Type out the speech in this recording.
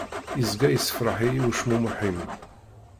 Izga yessefreḥ-iyi ucmumeḥ-im.